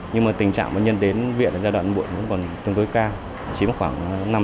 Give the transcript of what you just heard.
nhưng mà tình trạng bệnh nhân đến viện ở giai đoạn bụi vẫn còn tương đối cao chiếm khoảng năm mươi